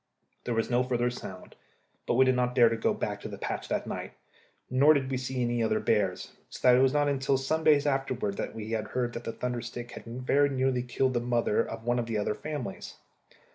There was no further sound, but we did not dare to go back to the patch that night, nor did we see any of the other bears; so that it was not until some days afterwards that we heard that the thunder stick had very nearly killed the mother of one of the other families.